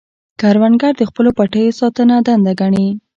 کروندګر د خپلو پټیو ساتنه دنده ګڼي